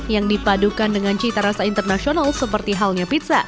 yang dipadukan dengan cita rasa internasional seperti halnya pizza